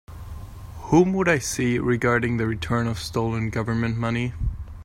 Whom would I see regarding the return of stolen Government money?